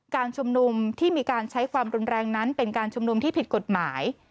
การชุมนุมที่มีการใช้ความรุนแรงนั้นเป็นการชุมนุมที่ผิดกฎหมาย